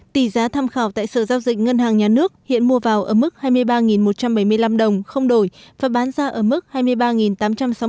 tỷ giá tham khảo tại sở giao dịch ngân hàng nhà nước hiện mua vào ở mức hai mươi ba một trăm bảy mươi năm đồng không đổi và bán ra ở mức hai mươi ba tám trăm sáu mươi bảy đồng giảm một mươi một đồng